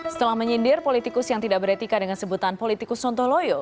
setelah menyindir politikus yang tidak beretika dengan sebutan politikus sontoloyo